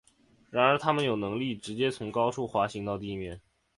然而它们有能力直接从高处滑行到地面。